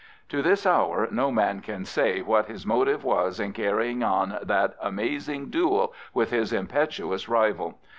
To this hour no man can say what his motive was in carrying on that amazing duel with his impetuous rival.